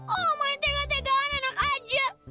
oh lo yang tega tegaan enak aja